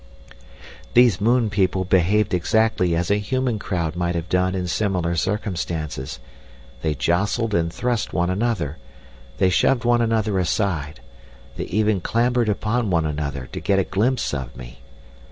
"These moon people behaved exactly as a human crowd might have done in similar circumstances: they jostled and thrust one another, they shoved one another aside, they even clambered upon one another to get a glimpse of me.